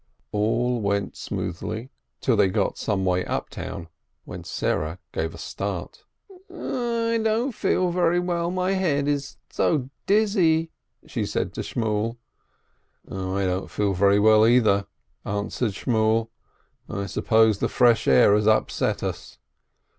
All went smoothly till they got some way up town, when Sarah gave a start. "I don't feel very well — my head is so dizzy," she said to Shmuel. "I don't feel very well, either," answered Shmuel. "I suppose the fresh air has upset us."